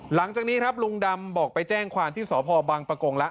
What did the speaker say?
หลังจากนี้ครับลุงดำบอกไปแจ้งความที่สพบังปะกงแล้ว